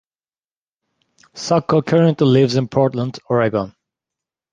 Sacco currently lives in Portland, Oregon.